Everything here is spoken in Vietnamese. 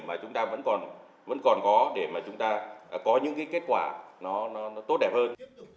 mà chúng ta vẫn còn có để mà chúng ta có những cái kết quả nó tốt đẹp hơn